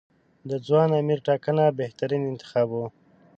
د ځوان امیر ټاکنه بهترین انتخاب و.